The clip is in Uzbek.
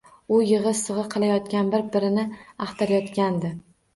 U yig‘i-sig‘i qilayotgan, bir-birini axtarayotgandi.